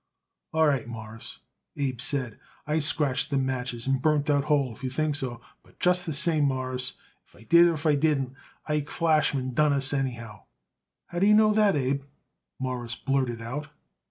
"All right, Mawruss," Abe said. "I scratched them matches and burnt that hole, if you think so; but just the same, Mawruss, if I did or if I didn't, Ike Flachsman done us, anyhow." "How d'ye know that, Abe?" Morris blurted out.